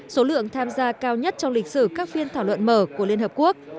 số lượng tham gia cao nhất trong lịch sử các phiên thảo luận mở của liên hợp quốc